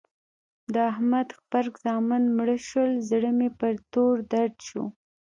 د احمد غبرګ زامن مړه شول؛ زړه مې پر تور دود شو.